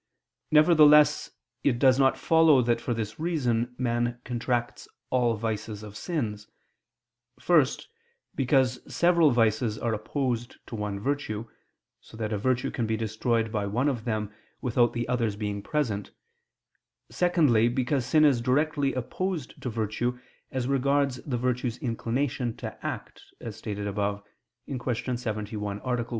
Nevertheless it does not follow that for this reason man contracts all vices of sins first, because several vices are opposed to one virtue, so that a virtue can be destroyed by one of them, without the others being present; secondly, because sin is directly opposed to virtue, as regards the virtue's inclination to act, as stated above (Q. 71, A. 1).